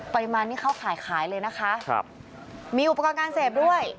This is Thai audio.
ปริมาณที่เขาขายเลยนะคะมีอุปกรณ์การเสพด้วย